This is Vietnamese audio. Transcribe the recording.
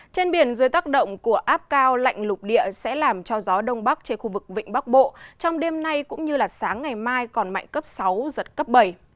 trên biển dưới tác động của áp cao lạnh lục địa sẽ làm cho gió đông bắc trên khu vực vịnh bắc bộ trong đêm nay cũng như sáng ngày mai còn mạnh cấp sáu giật cấp bảy